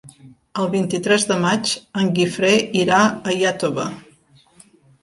El vint-i-tres de maig en Guifré irà a Iàtova.